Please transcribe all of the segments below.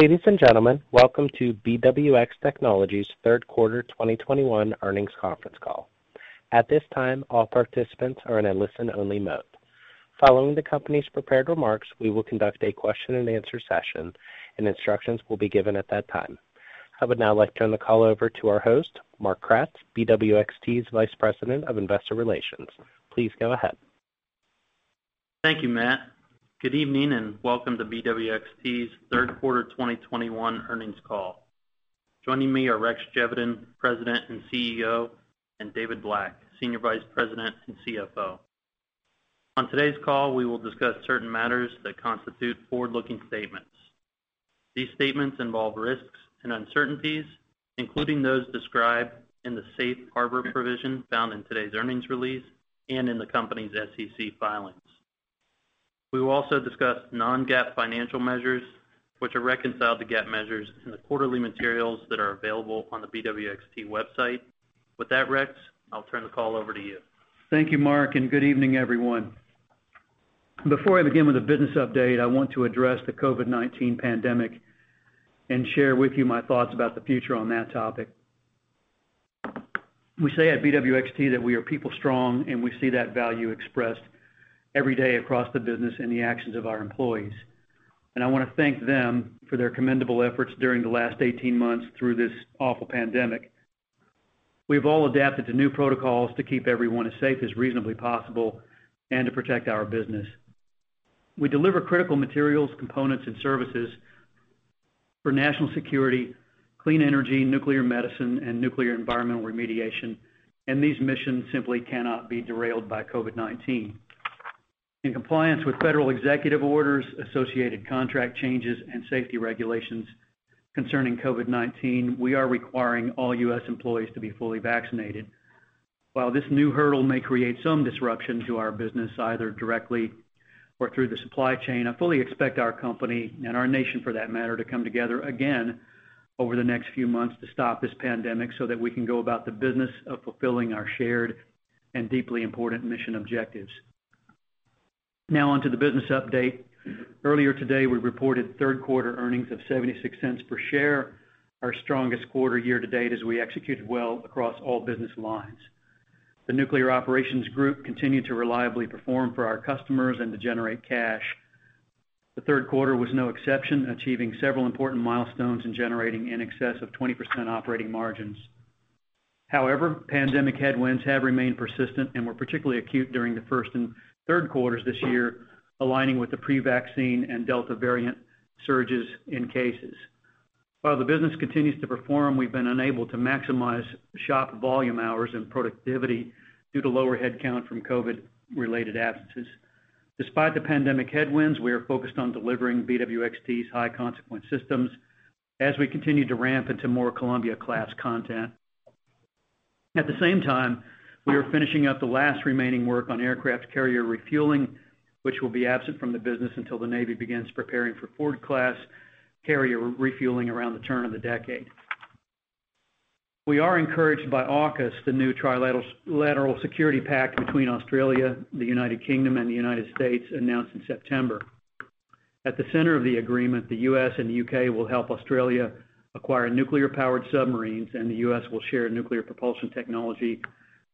Ladies and gentlemen, welcome to BWX Technologies' Third Quarter 2021 Earnings Conference Call. At this time, all participants are in a listen-only mode. Following the company's prepared remarks, we will conduct a question-and-answer session, and instructions will be given at that time. I would now like to turn the call over to our host, Mark Kratz, BWXT's Vice President of Investor Relations. Please go ahead. Thank you, Matt. Good evening, and welcome to BWXT's Third Quarter 2021 Earnings Call. Joining me are Rex Geveden, President and CEO, and David Black, Senior Vice President and CFO. On today's call, we will discuss certain matters that constitute forward-looking statements. These statements involve risks and uncertainties, including those described in the Safe Harbor provision found in today's earnings release and in the company's SEC filings. We will also discuss non-GAAP financial measures, which are reconciled to GAAP measures in the quarterly materials that are available on the BWXT website. With that, Rex, I'll turn the call over to you. Thank you, Mark, and good evening, everyone. Before I begin with the business update, I want to address the COVID-19 pandemic and share with you my thoughts about the future on that topic. We say at BWXT that we are people strong, and we see that value expressed every day across the business in the actions of our employees. I wanna thank them for their commendable efforts during the last 18 months through this awful pandemic. We've all adapted to new protocols to keep everyone as safe as reasonably possible and to protect our business. We deliver critical materials, components, and services for national security, clean energy, nuclear medicine, and nuclear environmental remediation, and these missions simply cannot be derailed by COVID-19. In compliance with federal executive orders, associated contract changes, and safety regulations concerning COVID-19, we are requiring all U.S. employees to be fully vaccinated. While this new hurdle may create some disruption to our business, either directly or through the supply chain, I fully expect our company, and our nation for that matter, to come together again over the next few months to stop this pandemic so that we can go about the business of fulfilling our shared and deeply important mission objectives. Now on to the business update. Earlier today, we reported third quarter earnings of $0.76 per share, our strongest quarter year-to-date as we executed well across all business lines. The Nuclear Operations Group continued to reliably perform for our customers and to generate cash. The third quarter was no exception, achieving several important milestones and generating in excess of 20% operating margins. However, pandemic headwinds have remained persistent and were particularly acute during the first and third quarters this year, aligning with the pre-vaccine and Delta variant surges in cases. While the business continues to perform, we've been unable to maximize shop volume hours and productivity due to lower headcount from COVID-related absences. Despite the pandemic headwinds, we are focused on delivering BWXT's high consequence systems as we continue to ramp into more Columbia-class content. At the same time, we are finishing up the last remaining work on aircraft carrier refueling, which will be absent from the business until the Navy begins preparing for Ford-class carrier refueling around the turn of the decade. We are encouraged by AUKUS, the new trilateral security pact between Australia, the United Kingdom, and the United States announced in September. At the center of the agreement, the U.S. and the U.K. will help Australia acquire nuclear-powered submarines, and the U.S. will share nuclear propulsion technology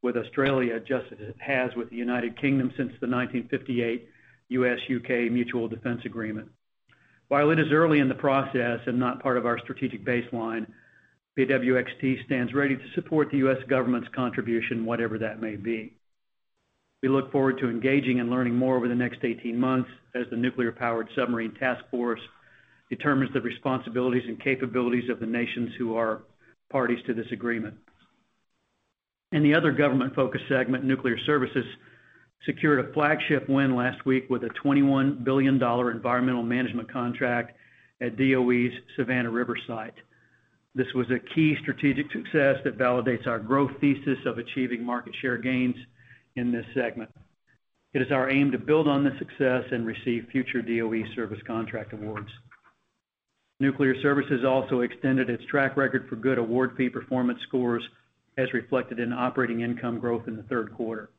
with Australia, just as it has with the United Kingdom since the 1958 U.S.-U.K. Mutual Defence Agreement. While it is early in the process and not part of our strategic baseline, BWXT stands ready to support the U.S. government's contribution, whatever that may be. We look forward to engaging and learning more over the next 18 months as the Nuclear-Powered Submarine Taskforce determines the responsibilities and capabilities of the nations who are parties to this agreement. In the other government-focused segment, Nuclear Services secured a flagship win last week with a $21 billion environmental management contract at DOE's Savannah River Site. This was a key strategic success that validates our growth thesis of achieving market share gains in this segment. It is our aim to build on this success and receive future DOE service contract awards. Nuclear Services also extended its track record for good award fee performance scores, as reflected in operating income growth in the third quarter.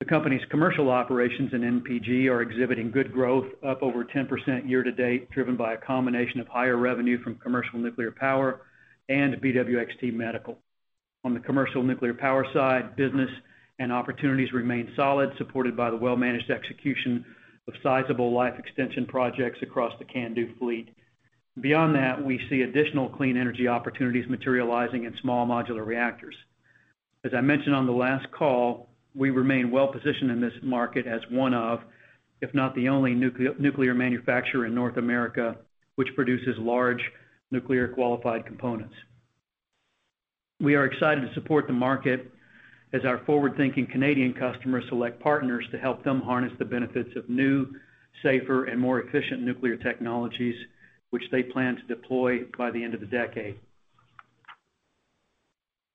The company's commercial operations in NPG are exhibiting good growth, up over 10% year-to-date, driven by a combination of higher revenue from commercial nuclear power and BWXT Medical. On the commercial nuclear power side, business and opportunities remain solid, supported by the well-managed execution of sizable life extension projects across the CANDU fleet. Beyond that, we see additional clean energy opportunities materializing in small modular reactors. As I mentioned on the last call, we remain well-positioned in this market as one of, if not the only, nuclear manufacturer in North America, which produces large nuclear qualified components. We are excited to support the market as our forward-thinking Canadian customers select partners to help them harness the benefits of new, safer, and more efficient nuclear technologies, which they plan to deploy by the end of the decade.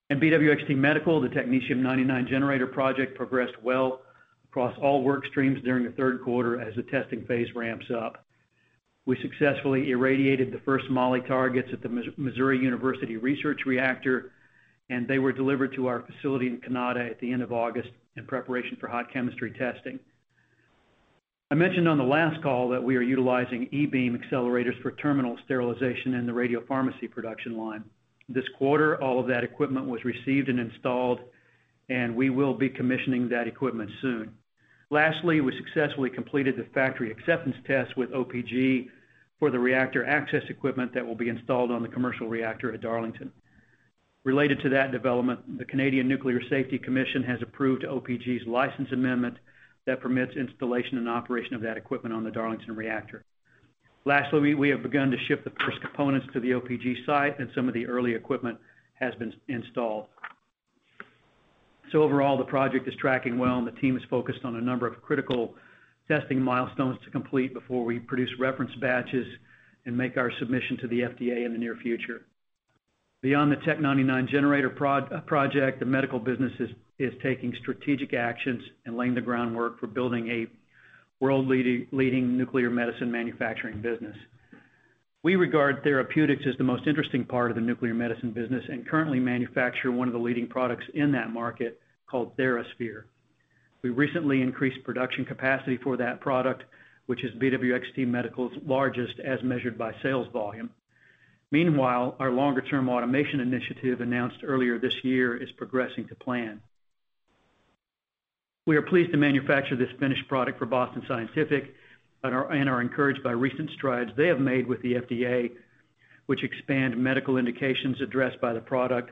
In BWXT Medical, the Technetium-99m generator project progressed well across all work streams during the third quarter as the testing phase ramps up. We successfully irradiated the first moly targets at the Missouri University Research Reactor. They were delivered to our facility in Canada at the end of August in preparation for hot chemistry testing. I mentioned on the last call that we are utilizing E-beam accelerators for terminal sterilization in the radiopharmacy production line. This quarter, all of that equipment was received and installed, and we will be commissioning that equipment soon. Lastly, we successfully completed the factory acceptance test with OPG for the reactor access equipment that will be installed on the commercial reactor at Darlington. Related to that development, the Canadian Nuclear Safety Commission has approved OPG's license amendment that permits installation and operation of that equipment on the Darlington reactor. Lastly, we have begun to ship the first components to the OPG site, and some of the early equipment has been installed. Overall, the project is tracking well, and the team is focused on a number of critical testing milestones to complete before we produce reference batches and make our submission to the FDA in the near future. Beyond the Technetium-99m generator project, the medical business is taking strategic actions and laying the groundwork for building a world-leading nuclear medicine manufacturing business. We regard therapeutics as the most interesting part of the nuclear medicine business and currently manufacture one of the leading products in that market called TheraSphere. We recently increased production capacity for that product, which is BWXT Medical's largest as measured by sales volume. Meanwhile, our longer-term automation initiative announced earlier this year is progressing to plan. We are pleased to manufacture this finished product for Boston Scientific and are encouraged by recent strides they have made with the FDA, which expand medical indications addressed by the product,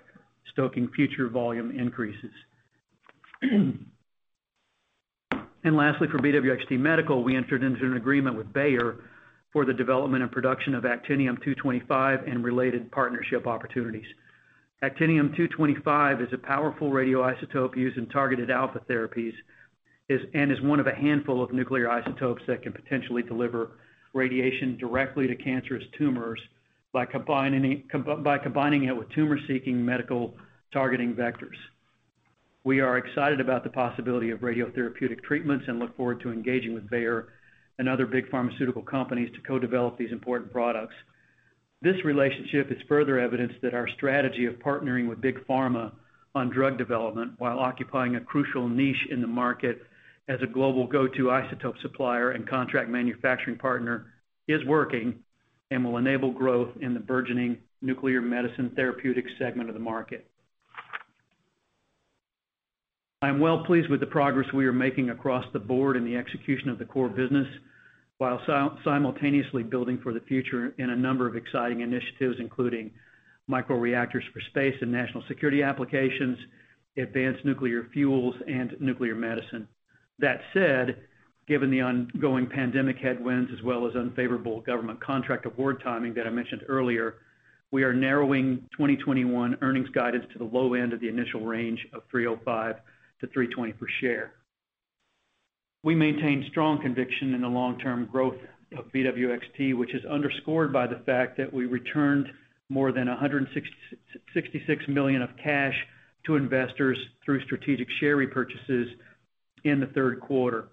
stoking future volume increases. Lastly, for BWXT Medical, we entered into an agreement with Bayer for the development and production of Actinium-225 and related partnership opportunities. Actinium-225 is a powerful radioisotope used in Targeted Alpha Therapies and is one of a handful of nuclear isotopes that can potentially deliver radiation directly to cancerous tumors by combining it with tumor-seeking medical targeting vectors. We are excited about the possibility of radiotherapeutic treatments and look forward to engaging with Bayer and other big pharmaceutical companies to co-develop these important products. This relationship is further evidence that our strategy of partnering with big pharma on drug development while occupying a crucial niche in the market as a global go-to isotope supplier and contract manufacturing partner is working and will enable growth in the burgeoning nuclear medicine therapeutic segment of the market. I am well pleased with the progress we are making across the board in the execution of the core business while simultaneously building for the future in a number of exciting initiatives, including microreactors for space and national security applications, advanced nuclear fuels, and nuclear medicine. That said, given the ongoing pandemic headwinds as well as unfavourable government contract award timing that I mentioned earlier, we are narrowing 2021 earnings guidance to the low end of the initial range of $3.05-$3.20 per share. We maintain strong conviction in the long-term growth of BWXT, which is underscored by the fact that we returned more than $166 million of cash to investors through strategic share repurchases in the third quarter.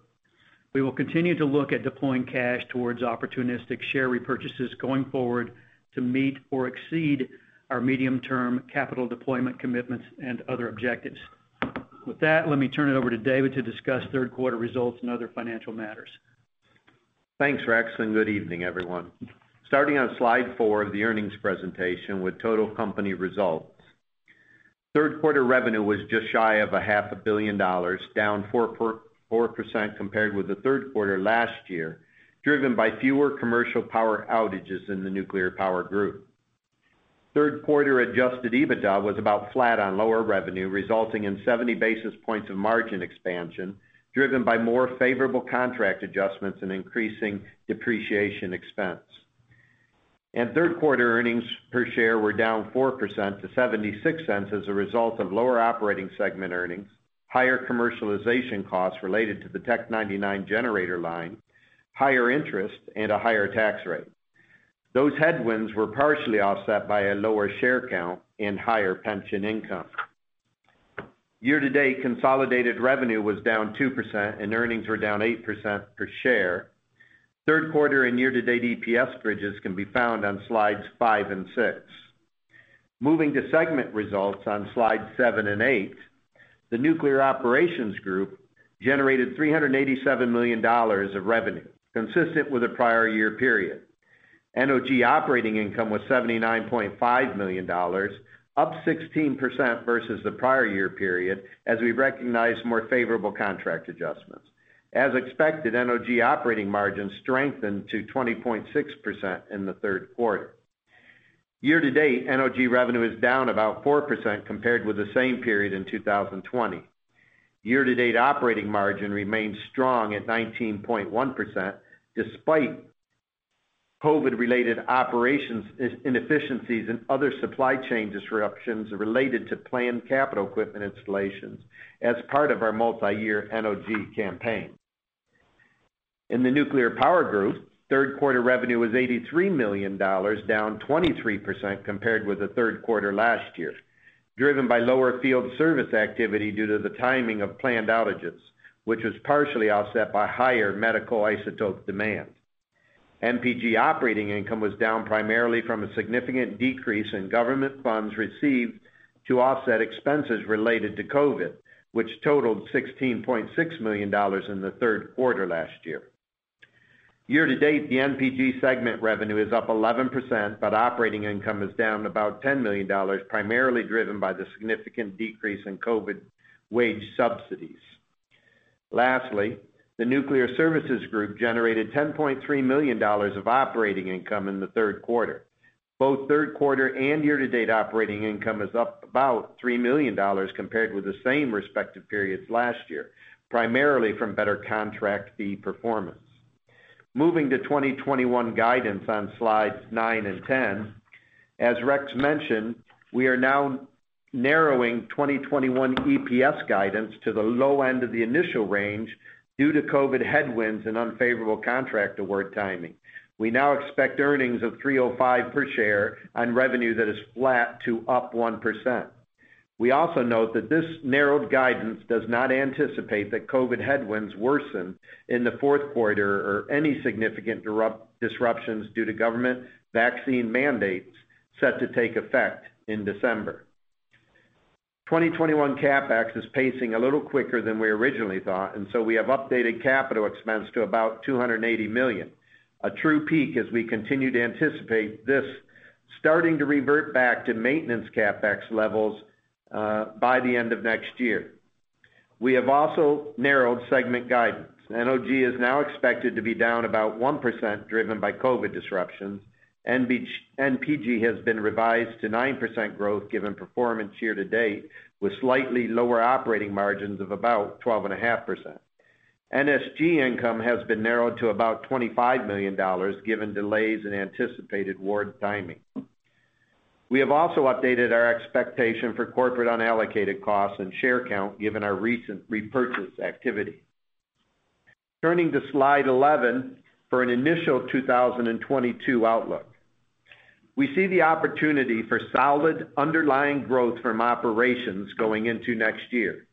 We will continue to look at deploying cash towards opportunistic share repurchases going forward to meet or exceed our medium-term capital deployment commitments and other objectives. With that, let me turn it over to David to discuss third quarter results and other financial matters. Thanks, Rex, and good evening, everyone. Starting on slide four of the earnings presentation with total company results. Third quarter revenue was just shy of $0.5 billion, down 4% compared with the third quarter last year, driven by fewer commercial power outages in the Nuclear Power Group. Third quarter Adjusted EBITDA was about flat on lower revenue, resulting in 70 basis points of margin expansion, driven by more favorable contract adjustments and increasing depreciation expense. Third quarter Earnings Per Share were down 4% to $0.76 as a result of lower operating segment earnings, higher commercialization costs related to the Technetium-99m generator line, higher interest, and a higher tax rate. Those headwinds were partially offset by a lower share count and higher pension income. Year-to-date consolidated revenue was down 2% and earnings were down 8% per share. Third quarter and year-to-date EPS bridges can be found on slides five and six. Moving to segment results on slide seven and eight, the Nuclear Operations Group generated $387 million of revenue, consistent with the prior year period. NOG operating income was $79.5 million, up 16% versus the prior year period as we recognized more favourable contract adjustments. As expected, NOG operating margin strengthened to 20.6% in the third quarter. Year-to-date, NOG revenue is down about 4% compared with the same period in 2020. Year-to-date operating margin remains strong at 19.1% despite COVID-related operational inefficiencies and other supply chain disruptions related to planned capital equipment installations as part of our multi-year NOG campaign. In the Nuclear Power Group, third quarter revenue was $83 million, down 23% compared with the third quarter last year, driven by lower field service activity due to the timing of planned outages, which was partially offset by higher medical isotope demand. NPG operating income was down primarily from a significant decrease in government funds received to offset expenses related to COVID, which totalled $16.6 million in the third quarter last year. Year-to-date, the NPG segment revenue is up 11%, but operating income is down about $10 million, primarily driven by the significant decrease in COVID wage subsidies. Lastly, the Nuclear Services Group generated $10.3 million of operating income in the third quarter. Both third quarter and year-to-date operating income is up about $3 million compared with the same respective periods last year, primarily from better contract fee performance. Moving to 2021 guidance on slides nine and 10. As Rex mentioned, we are now narrowing 2021 EPS guidance to the low end of the initial range due to COVID headwinds and unfavourable contract award timing. We now expect earnings of $3.05 per share on revenue that is flat to up 1%. We also note that this narrowed guidance does not anticipate that COVID headwinds worsen in the fourth quarter or any significant disruptions due to government vaccine mandates set to take effect in December. 2021 CapEx is pacing a little quicker than we originally thought, and so we have updated capital expense to about $280 million. A true peak as we continue to anticipate this starting to revert back to maintenance CapEx levels by the end of next year. We have also narrowed segment guidance. NOG is now expected to be down about 1% driven by COVID disruptions. NPG has been revised to 9% growth given performance year-to-date, with slightly lower operating margins of about 12.5%. NSG income has been narrowed to about $25 million given delays in anticipated award timing. We have also updated our expectation for corporate unallocated costs and share count given our recent repurchase activity. Turning to slide 11 for an initial 2022 outlook. We see the opportunity for solid underlying growth from operations going into next year.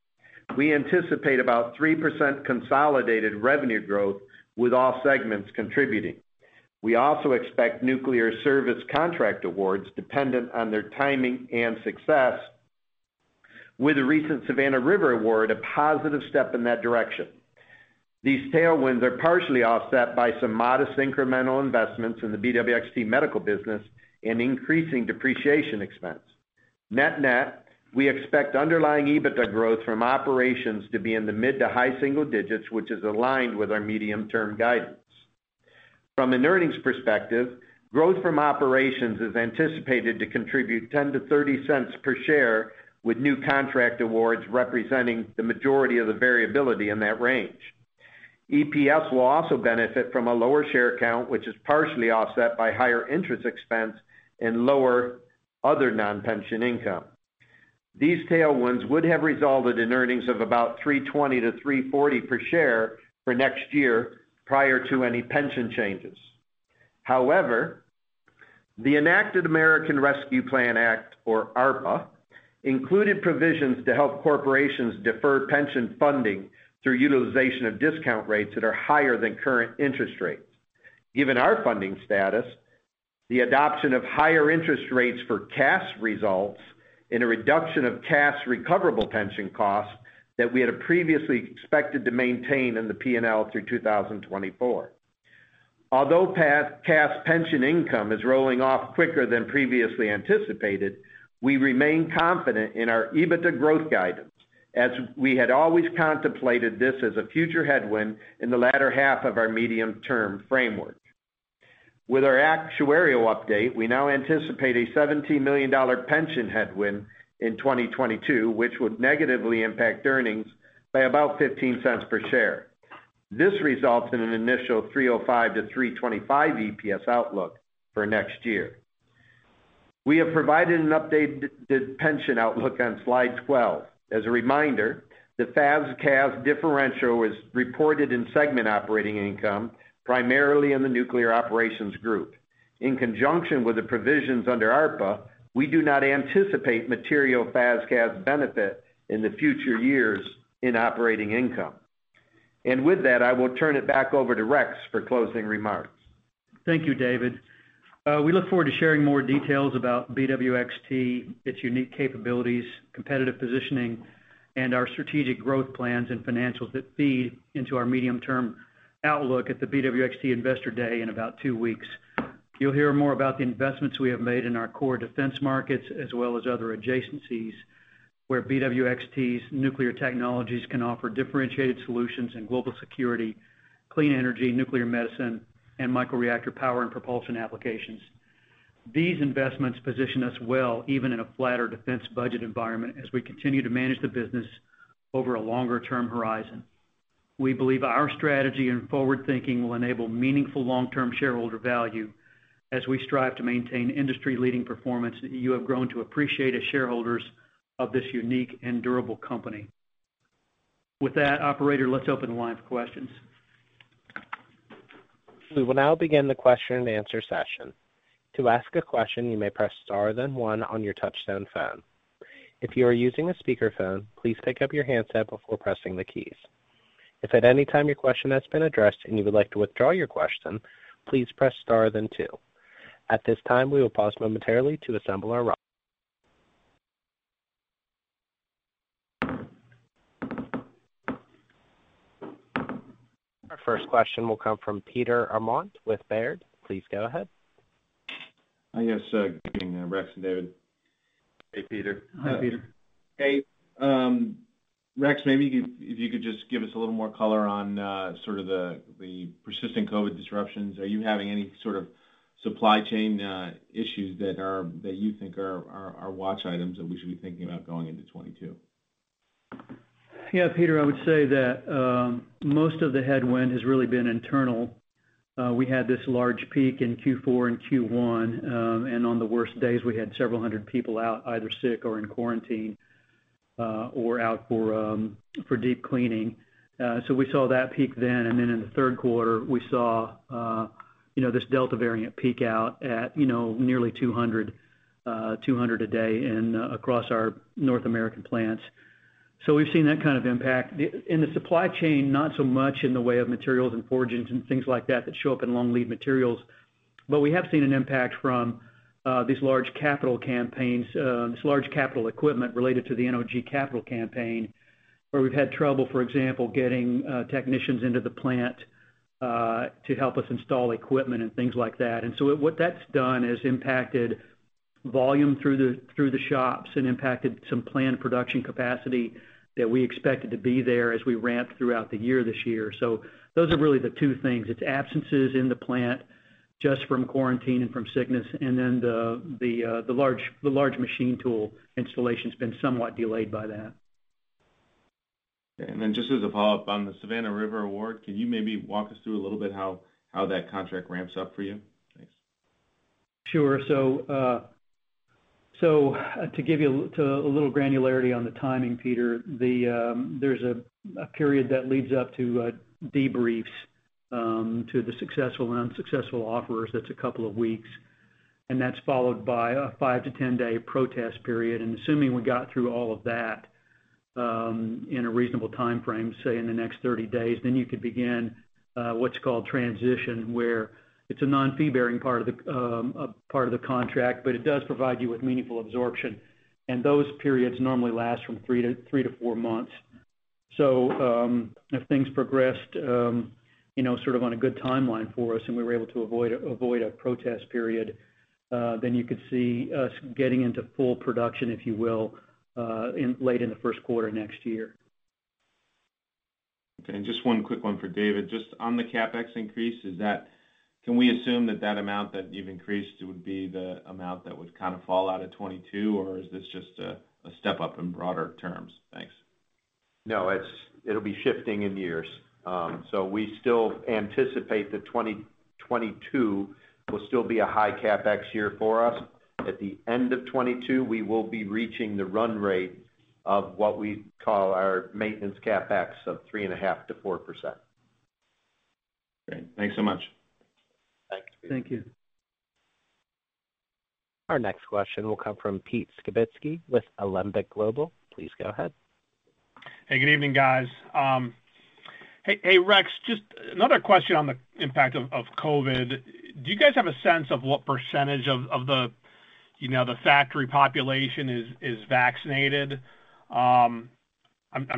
We anticipate about 3% consolidated revenue growth with all segments contributing. We also expect nuclear service contract awards dependent on their timing and success, with the recent Savannah River award a positive step in that direction. These tailwinds are partially offset by some modest incremental investments in the BWXT Medical business and increasing depreciation expense. Net-net, we expect underlying EBITDA growth from operations to be in the mid- to high-single digits, which is aligned with our medium-term guidance. From an earnings perspective, growth from operations is anticipated to contribute $0.10-$0.30 per share, with new contract awards representing the majority of the variability in that range. EPS will also benefit from a lower share count, which is partially offset by higher interest expense and lower other non-pension income. These tailwinds would have resulted in earnings of about $3.20-$3.40 per share for next year prior to any pension changes. However, the enacted American Rescue Plan Act, or ARPA, included provisions to help corporations defer pension funding through utilization of discount rates that are higher than current interest rates. Given our funding status, the adoption of higher interest rates for CAS results in a reduction of CAS recoverable pension costs that we had previously expected to maintain in the P&L through 2024. Although FAS/CAS pension income is rolling off quicker than previously anticipated, we remain confident in our EBITDA growth guidance, as we had always contemplated this as a future headwind in the latter half of our medium-term framework. With our actuarial update, we now anticipate a $17 million pension headwind in 2022, which would negatively impact earnings by about $0.15 per share. This results in an initial $3.05-$3.25 EPS outlook for next year. We have provided an updated pension outlook on slide 12. As a reminder, the FAS-CAS differential was reported in segment operating income, primarily in the Nuclear Operations Group. In conjunction with the provisions under ARPA, we do not anticipate material FAS/CAS benefit in the future years in operating income. With that, I will turn it back over to Rex for closing remarks. Thank you, David. We look forward to sharing more details about BWXT, its unique capabilities, competitive positioning, and our strategic growth plans and financials that feed into our medium-term outlook at the BWXT Investor Day in about two weeks. You'll hear more about the investments we have made in our core defense markets as well as other adjacencies where BWXT's nuclear technologies can offer differentiated solutions in global security, clean energy, nuclear medicine, and microreactor power and propulsion applications. These investments position us well even in a flatter defense budget environment as we continue to manage the business over a longer-term horizon. We believe our strategy and forward thinking will enable meaningful long-term shareholder value as we strive to maintain industry-leading performance that you have grown to appreciate as shareholders of this unique and durable company. With that, operator, let's open the line for questions. We will now begin the question-and-answer session. Our first question will come from Peter Arment with Baird. Please go ahead. Yes, good evening, Rex and David. Hey, Peter. Hi, Peter. Hey. Rex, maybe you could just give us a little more color on the persistent COVID disruptions. Are you having any sort of supply chain issues that you think are watch items that we should be thinking about going into 2022? Yeah, Peter, I would say that most of the headwind has really been internal. We had this large peak in Q4 and Q1, and on the worst days, we had several hundred people out, either sick or in quarantine, or out for deep cleaning. We saw that peak then. In the third quarter, we saw, you know, this Delta variant peak out at, you know, nearly 200 a day and across our North American plants. We've seen that kind of impact. In the supply chain, not so much in the way of materials and forgings and things like that show up in long lead materials. We have seen an impact from these large capital campaigns, this large capital equipment related to the NOG capital campaign, where we've had trouble, for example, getting technicians into the plant to help us install equipment and things like that. What that's done is impacted volume through the shops and impacted some planned production capacity that we expected to be there as we ramped throughout the year this year. Those are really the two things. It's absences in the plant just from quarantine and from sickness, and then the large machine tool installation has been somewhat delayed by that. Okay. Just as a follow-up on the Savannah River award, can you maybe walk us through a little bit how that contract ramps up for you? Thanks. Sure. To give you a little granularity on the timing, Peter, there's a period that leads up to debriefs to the successful and unsuccessful offerers. That's a couple of weeks. That's followed by a five- to 10-day protest period. Assuming we got through all of that in a reasonable timeframe, say in the next 30 days, then you could begin what's called transition, where it's a non-fee-bearing part of the contract, but it does provide you with meaningful absorption. Those periods normally last from three-four months. If things progressed, you know, sort of on a good timeline for us and we were able to avoid a protest period, then you could see us getting into full production, if you will, in late in the first quarter next year. Okay. Just one quick one for David. Just on the CapEx increase, is that, can we assume that amount that you've increased would be the amount that would kind of fall out of 2022, or is this just a step up in broader terms? Thanks. No, it'll be shifting in years. We still anticipate that 2022 will still be a high CapEx year for us. At the end of 2022, we will be reaching the run rate of what we call our maintenance CapEx of 3.5%-4%. Great. Thanks so much. Thanks, Peter. Thank you. Our next question will come from Peter Skibitski with Alembic Global Advisors. Please go ahead. Hey, good evening, guys. Hey, Rex, just another question on the impact of COVID. Do you guys have a sense of what percentage of the factory population is vaccinated? I'm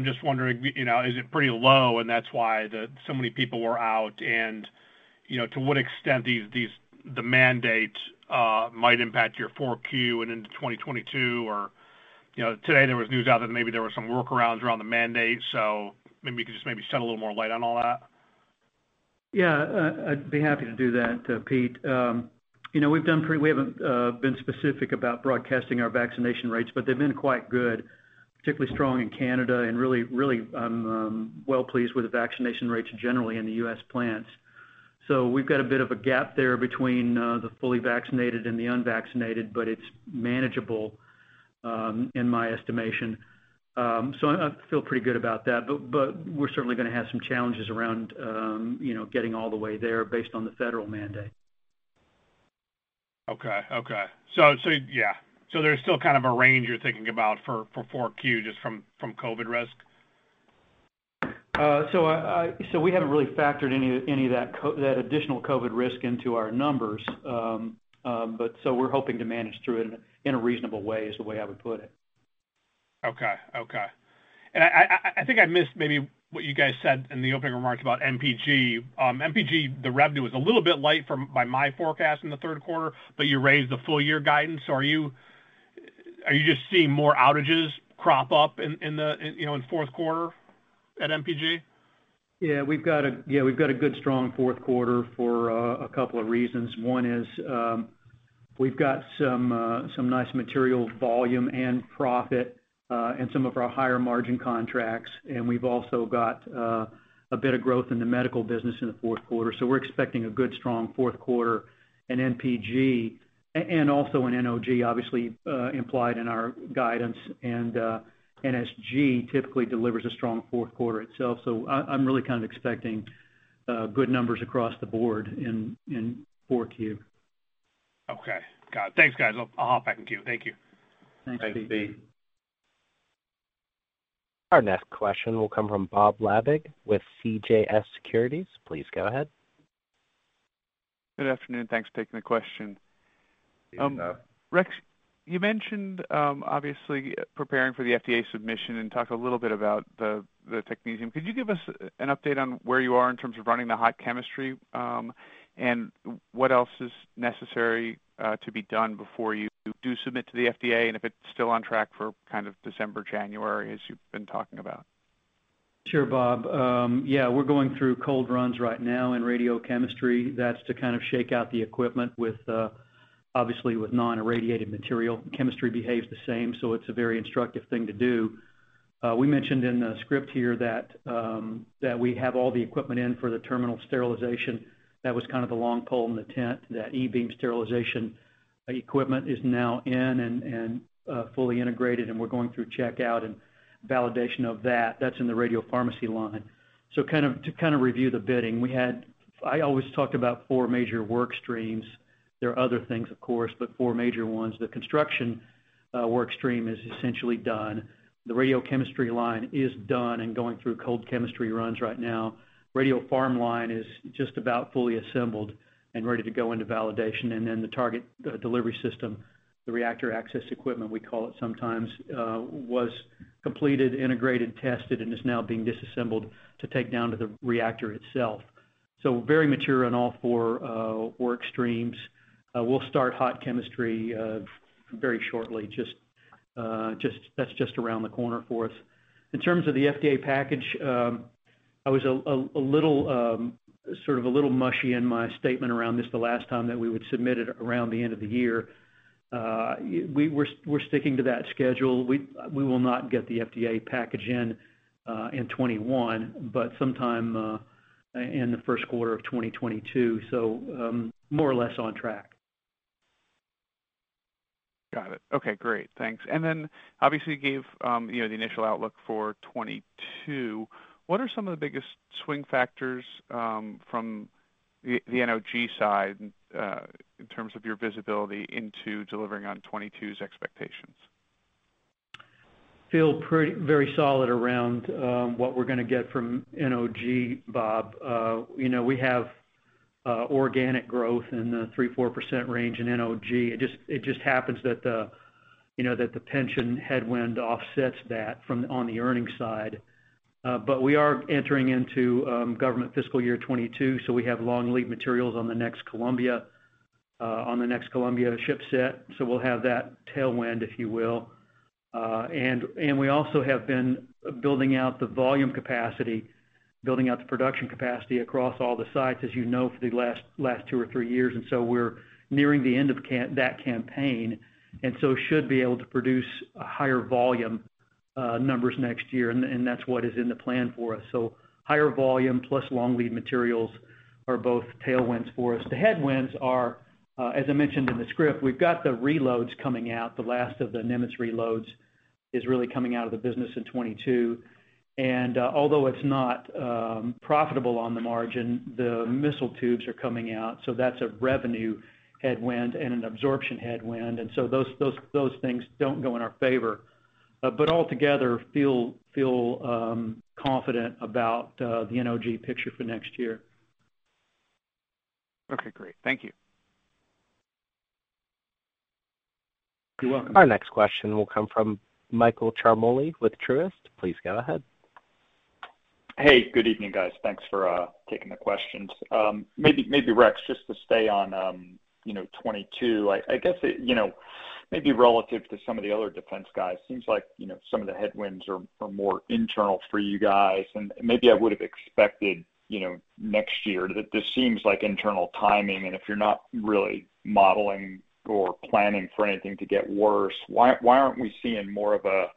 just wondering, you know, is it pretty low and that's why so many people were out and, you know, to what extent the mandate might impact your 4Q and into 2022. You know, today there was news out that maybe there were some workarounds around the mandate. Maybe you could just maybe shed a little more light on all that. Yeah. I'd be happy to do that, Pete. You know, we haven't been specific about broadcasting our vaccination rates, but they've been quite good, particularly strong in Canada and really well pleased with the vaccination rates generally in the U.S. plants. We've got a bit of a gap there between the fully vaccinated and the unvaccinated, but it's manageable in my estimation. I feel pretty good about that. We're certainly gonna have some challenges around you know, getting all the way there based on the federal mandate. Okay. Yeah. There's still kind of a range you're thinking about for 4Q just from COVID risk? We haven't really factored any of that additional COVID risk into our numbers. We're hoping to manage through it in a reasonable way, is the way I would put it. Okay. I think I missed maybe what you guys said in the opening remarks about NPG. NPG, the revenue was a little bit light by my forecast in the third quarter, but you raised the full year guidance. Are you just seeing more outages crop up in the, you know, fourth quarter at NPG? Yeah. We've got a good strong fourth quarter for a couple of reasons. One is, we've got some nice material volume and profit in some of our higher margin contracts. We've also got a bit of growth in the medical business in the fourth quarter. We're expecting a good strong fourth quarter in NPG and also in NOG, obviously, implied in our guidance. NSG typically delivers a strong fourth quarter itself. I'm really kind of expecting good numbers across the board in 4Q. Okay. Got it. Thanks, guys. I'll hop back in queue. Thank you. Thanks, Pete. Our next question will come from Bob Labick with CJS Securities. Please go ahead. Good afternoon. Thanks for taking the question. Hey, Bob. Rex, you mentioned obviously preparing for the FDA submission and talked a little bit about the Technetium-99m. Could you give us an update on where you are in terms of running the hot chemistry, and what else is necessary to be done before you do submit to the FDA, and if it's still on track for kind of December, January, as you've been talking about? Sure, Bob. Yeah, we're going through cold runs right now in radiochemistry. That's to kind of shake out the equipment with, obviously with non-irradiated material. Chemistry behaves the same, so it's a very instructive thing to do. We mentioned in the script here that we have all the equipment in for the terminal sterilization. That was kind of the long pole in the tent. That E-beam sterilization equipment is now in and fully integrated, and we're going through checkout and validation of that. That's in the radiopharmacy line. So kind of to kind of review the bidding, we had. I always talked about four major work streams. There are other things, of course, but four major ones. The construction work stream is essentially done. The radiochemistry line is done and going through cold chemistry runs right now. Radiopharm line is just about fully assembled and ready to go into validation. Then the target, the delivery system, the reactor access equipment, we call it sometimes, was completed, integrated, tested, and is now being disassembled to take down to the reactor itself. Very mature on all four work streams. We'll start hot chemistry very shortly. That's just around the corner for us. In terms of the FDA package, I was a little mushy in my statement around this the last time that we would submit it around the end of the year. We're sticking to that schedule. We will not get the FDA package in 2021, but sometime in the first quarter of 2022, more or less on track. Got it. Okay, great. Thanks. Then obviously you gave the initial outlook for 2022. What are some of the biggest swing factors from the NOG side in terms of your visibility into delivering on 2022's expectations? Feel very solid around what we're gonna get from NOG, Bob. You know, we have organic growth in the 3%-4% range in NOG. It just happens that the pension headwind offsets that on the earnings side. We are entering into government fiscal year 2022, so we have long lead materials on the next Columbia-class ship set, so we'll have that tailwind, if you will. We also have been building out the volume capacity, building out the production capacity across all the sites, as you know, for the last two or three years. We're nearing the end of that campaign, and should be able to produce a higher volume numbers next year, and that's what is in the plan for us. Higher volume plus long lead materials are both tailwinds for us. The headwinds are, as I mentioned in the script, we've got the reloads coming out. The last of the USS Nimitz-class reloads is really coming out of the business in 2022. Although it's not profitable on the margin, the missile tubes are coming out, so that's a revenue headwind and an absorption headwind. Those things don't go in our favor. Altogether, feel confident about the NOG picture for next year. Okay, great. Thank you. You're welcome. Our next question will come from Michael Ciarmoli with Truist. Please go ahead. Hey, good evening, guys. Thanks for taking the questions. Maybe Rex, just to stay on, you know, 2022. I guess it, you know, maybe relative to some of the other defense guys, seems like, you know, some of the headwinds are more internal for you guys. Maybe I would have expected, you know, next year. This seems like internal timing, and if you're not really modeling or planning for anything to get worse, why aren't we seeing more of a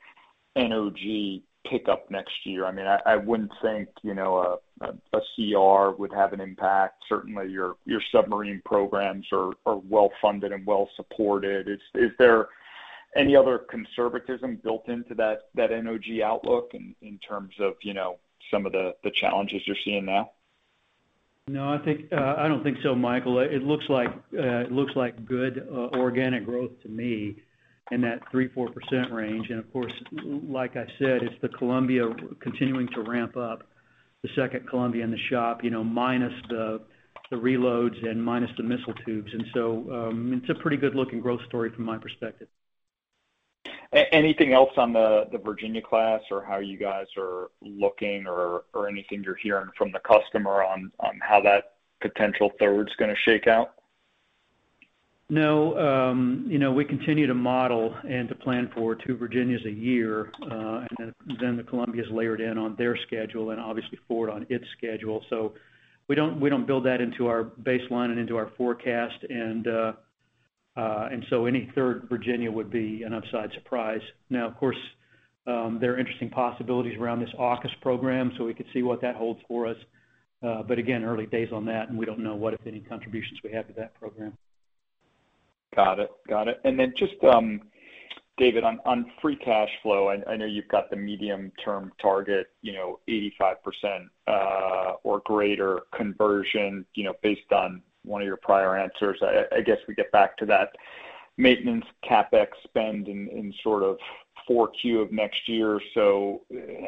NOG pickup next year? I mean, I wouldn't think, you know, a CR would have an impact. Certainly, your submarine programs are well-funded and well-supported. Is there any other conservatism built into that NOG outlook in terms of, you know, some of the challenges you're seeing now? No, I think I don't think so, Michael. It looks like good organic growth to me in that 3%-4% range. Of course, like I said, it's the Columbia-class continuing to ramp up, the second Columbia-class in the shop, you know, minus the reloads and minus the missile tubes. It's a pretty good looking growth story from my perspective. Anything else on the Virginia-class or how you guys are looking or anything you're hearing from the customer on how that potential third's gonna shake out? No. You know, we continue to model and to plan for two Virginias a year, and then the Columbia's layered in on their schedule and obviously Ford on its schedule. We don't build that into our baseline and into our forecast, and so any third Virginia would be an upside surprise. Now, of course, there are interesting possibilities around this AUKUS program, so we could see what that holds for us. But again, early days on that, and we don't know what, if any, contributions we have to that program. Got it. Then just David, on free cash flow, I know you've got the medium-term target, you know, 85% or greater conversion, you know, based on one of your prior answers. I guess we get back to that maintenance CapEx spend in sort of 4Q of next year.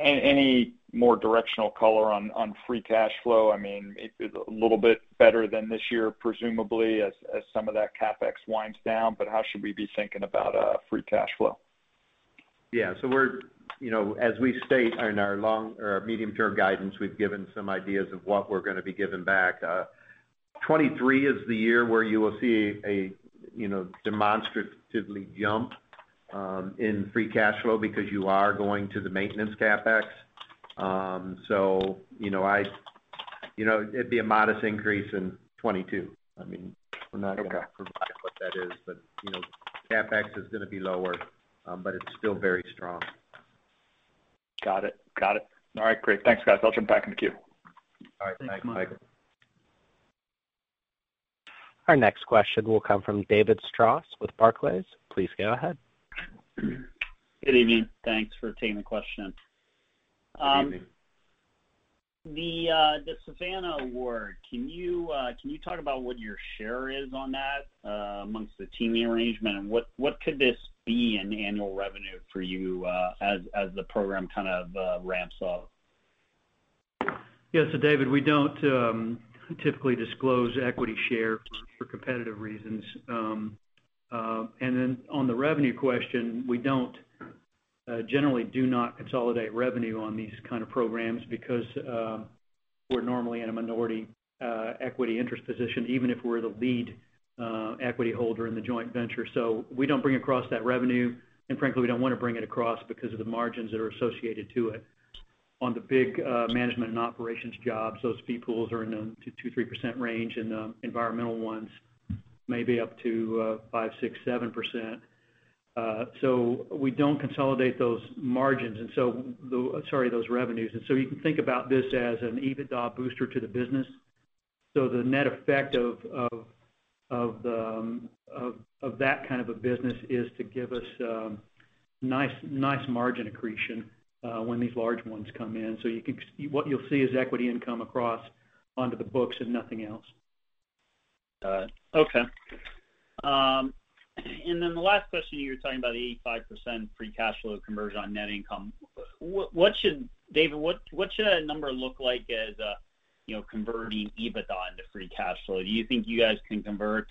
Any more directional color on free cash flow? I mean, it's a little bit better than this year, presumably, as some of that CapEx winds down, but how should we be thinking about free cash flow? Yeah. We're, you know, as we state in our long or medium-term guidance, we've given some ideas of what we're gonna be giving back. 2023 is the year where you will see a, you know, demonstrable jump in free cash flow because you are going to the maintenance CapEx. You know, it'd be a modest increase in 2022. I mean, we're not gonna- Okay provide what that is, but, you know, CapEx is gonna be lower, but it's still very strong. Got it. All right. Great. Thanks, guys. I'll jump back in the queue. All right. Thanks, Michael. Our next question will come from David Strauss with Barclays. Please go ahead. Good evening. Thanks for taking the question. Good evening. The Savannah award, can you talk about what your share is on that amongst the teaming arrangement? What could this be in annual revenue for you as the program kind of ramps up? Yeah. David, we don't typically disclose equity share for competitive reasons. On the revenue question, we generally do not consolidate revenue on these kind of programs because we're normally in a minority equity interest position, even if we're the lead equity holder in the joint venture. We don't bring across that revenue, and frankly, we don't wanna bring it across because of the margins that are associated to it. On the big management and operations jobs, those fee pools are known to 2%-3% range, and the environmental ones may be up to 5%-7%. We don't consolidate those margins. Sorry, those revenues. You can think about this as an EBITDA booster to the business. The net effect of that kind of a business is to give us nice margin accretion when these large ones come in. What you'll see is equity income accrues onto the books and nothing else. Got it. Okay. The last question, you were talking about the 85% free cash flow conversion on net income. David, what should that number look like as, you know, converting EBITDA into free cash flow? Do you think you guys can convert,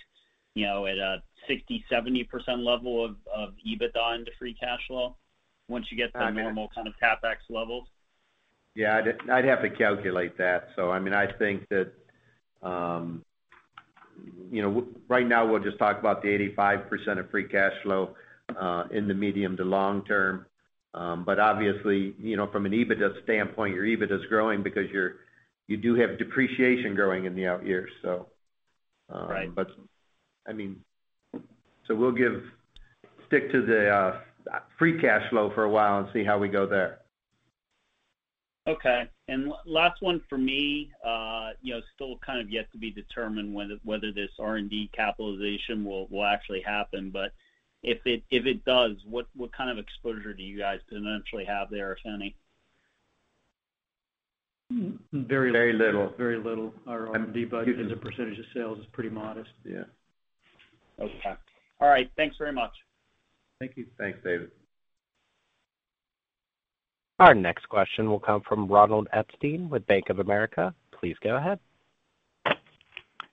you know, at a 60%-70% level of EBITDA into free cash flow once you get to normal kind of CapEx levels? Yeah. I'd have to calculate that. I mean, I think that, you know, right now we'll just talk about the 85% of free cash flow in the medium to long term. Obviously, you know, from an EBITDA standpoint, your EBITDA is growing because you do have depreciation growing in the out years. Right. I mean we'll stick to the free cash flow for a while and see how we go there. Okay. Last one for me. You know, still kind of yet to be determined whether this R&D capitalization will actually happen. But if it does, what kind of exposure do you guys potentially have there, if any? Very little. Very little. Very little. Our R&D budget as a percentage of sales is pretty modest. Yeah. Okay. All right. Thanks very much. Thank you. Thanks, David. Our next question will come from Ronald Epstein with Bank of America. Please go ahead.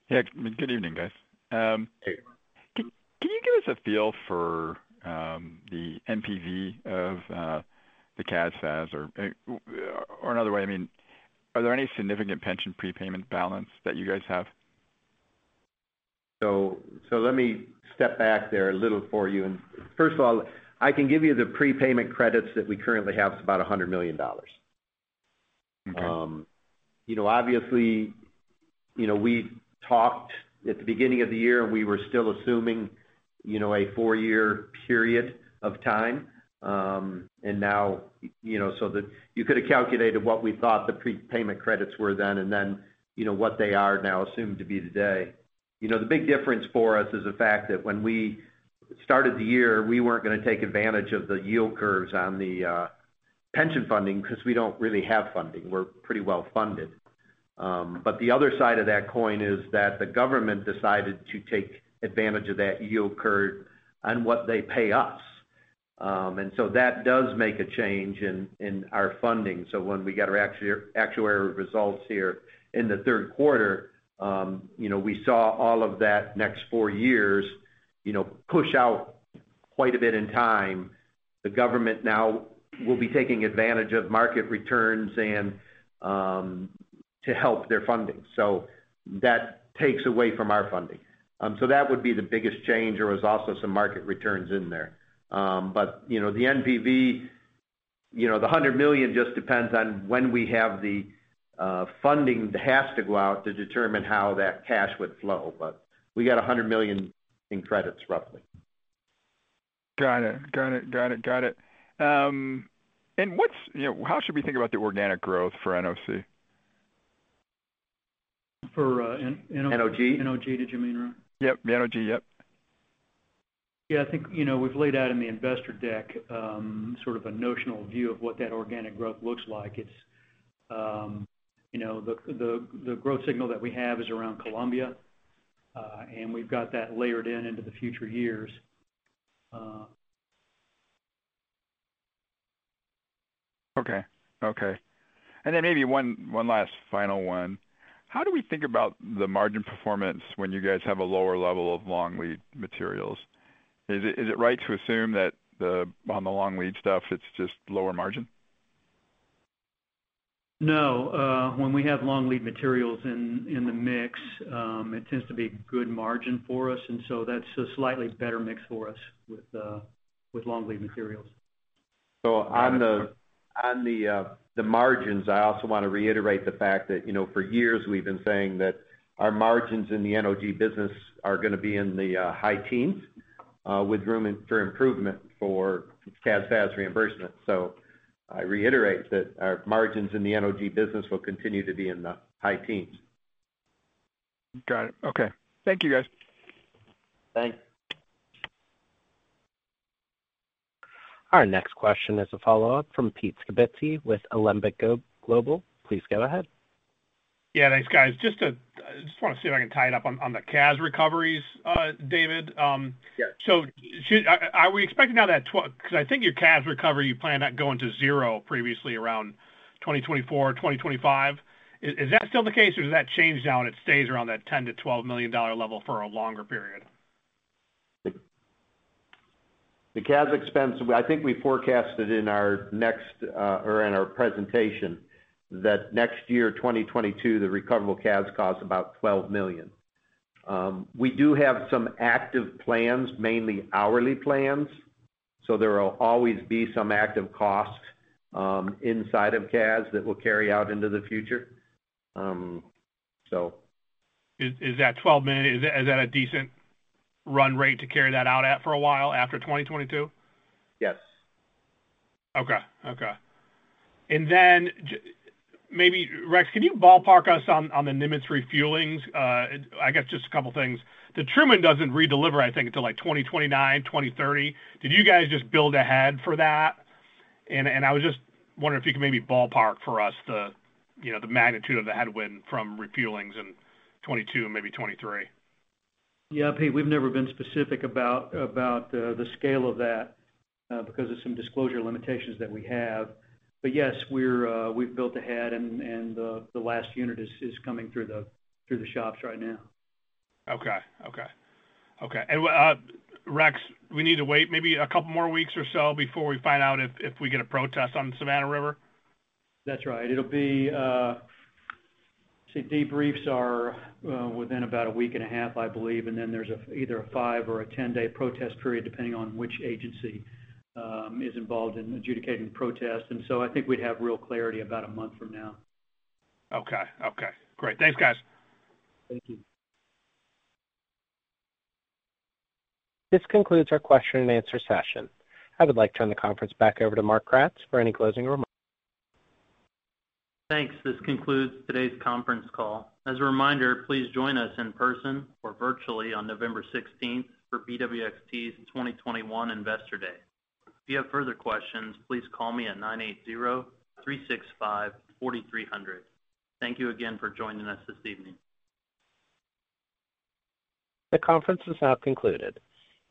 Yeah. Good evening, guys. Hey. Can you give us a feel for the NPV of the FAS/CAS? Or another way, I mean, are there any significant pension prepayment balance that you guys have? Let me step back there a little for you. First of all, I can give you the prepayment credits that we currently have. It's about $100 million. Okay. You know, obviously, you know, we talked at the beginning of the year, and we were still assuming, you know, a four-year period of time. Now, you know, you could have calculated what we thought the prepayment credits were then and, you know, what they are now assumed to be today. You know, the big difference for us is the fact that when we started the year, we weren't gonna take advantage of the yield curves on the pension funding because we don't really have funding. We're pretty well funded. The other side of that coin is that the government decided to take advantage of that yield curve on what they pay us. That does make a change in our funding. When we get our actuarial results here in the third quarter, you know, we saw all of that next four years, you know, push out quite a bit in time. The government now will be taking advantage of market returns and to help their funding. That takes away from our funding. That would be the biggest change. There was also some market returns in there. You know, the NPV, you know, the $100 million just depends on when we have the funding that has to go out to determine how that cash would flow. We got $100 million in credits, roughly. Got it. What's, you know, how should we think about the organic growth for NOC? For, uh, N- NOG. NOG, did you mean, Ron? Yep, the NOG, yep. Yeah, I think, you know, we've laid out in the investor deck, sort of a notional view of what that organic growth looks like. It's, you know, the growth signal that we have is around Columbia-class, and we've got that layered in into the future years. Okay. Maybe one last final one. How do we think about the margin performance when you guys have a lower level of long lead materials? Is it right to assume that the, on the long lead stuff, it's just lower margin? No, when we have long lead materials in the mix, it tends to be good margin for us, and so that's a slightly better mix for us with long lead materials. So on the- Yeah. On the margins, I also wanna reiterate the fact that, you know, for years we've been saying that our margins in the NOG business are gonna be in the high teens%, with room for improvement for FAS/CAS reimbursement. I reiterate that our margins in the NOG business will continue to be in the high teens%. Got it. Okay. Thank you, guys. Thanks. Our next question is a follow-up from Peter Skibitski with Alembic Global Advisors. Please go ahead. Yeah, thanks guys. I just wanna see if I can tie it up on the CAS recoveries, David. Yeah. Are we expecting now 'cause I think your CAS recovery, you planned on going to zero previously around 2024, 2025. Is that still the case, or does that change now and it stays around that $10 million-$12 million level for a longer period? The CAS expense, I think we forecasted in our next or in our presentation that next year, 2022, the recoverable CAS cost about $12 million. We do have some active plans, mainly hourly plans, so there will always be some active costs inside of CAS that will carry out into the future. Is that $12 million a decent run rate to carry that out at for a while after 2022? Yes. Okay. Maybe Rex, can you ballpark us on the USS Nimitz refuelings? I guess just a couple things. The Truman doesn't redeliver, I think, until like 2029, 2030. Did you guys just build ahead for that? I was just wondering if you could maybe ballpark for us the, you know, the magnitude of the headwind from refuelings in 2022, maybe 2023. Yeah, Pete, we've never been specific about the scale of that because of some disclosure limitations that we have. Yes, we've built ahead and the last unit is coming through the shops right now. Okay, Rex, we need to wait maybe a couple more weeks or so before we find out if we get a protest on Savannah River? That's right. It'll be. See, debriefs are within about a week and a half, I believe, and then there's either a five or 10-day protest period depending on which agency is involved in adjudicating protests. I think we'd have real clarity about a month from now. Okay. Great. Thanks, guys. Thank you. This concludes our question-and-answer session. I would like to turn the conference back over to Mark Kratz for any closing remarks. Thanks. This concludes today's conference call. As a reminder, please join us in person or virtually on November 16 for BWXT's 2021 Investor Day. If you have further questions, please call me at 980-365-4300. Thank you again for joining us this evening. The conference is now concluded.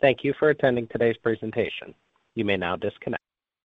Thank you for attending today's presentation. You may now disconnect.